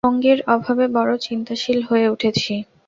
সঙ্গীর অভাবে বড় চিন্তাশীল হয়ে উঠেছি।